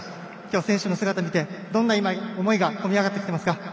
選手の姿を見てどんな思いが込み上がってきていますか。